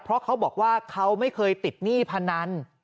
เพราะเขาบอกว่าเขาไม่เคยติดหนี้พนัน